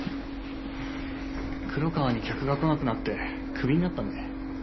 黒川に客が来なくなってクビになったんで。